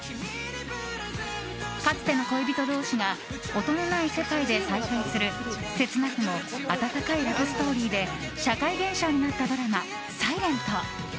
かつての恋人同士が音のない世界で再会する切なくも温かいラブストーリーで社会現象になったドラマ「ｓｉｌｅｎｔ」。